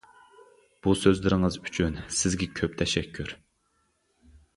بۇ سۆزلىرىڭىز ئۈچۈن سىزگە كۆپ تەشەككۈر.